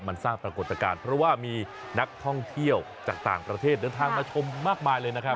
มันสร้างปรากฏการณ์เพราะว่ามีนักท่องเที่ยวจากต่างประเทศเดินทางมาชมมากมายเลยนะครับ